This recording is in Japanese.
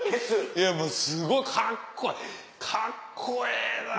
いやもうすごいカッコええカッコええな。